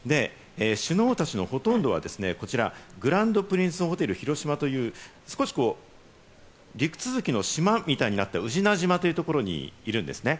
首脳たちのほとんどは、こちらグランドプリンスホテル広島という少し陸続きの島みたいになっている宇品島というところにいるんですね。